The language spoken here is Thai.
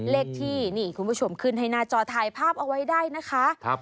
เลขที่นี่คุณผู้ชมขึ้นให้หน้าจอถ่ายภาพเอาไว้ได้นะคะ